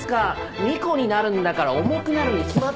２個になるんだから重くなるに決まって。